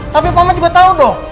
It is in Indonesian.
tapi mama juga tahu dong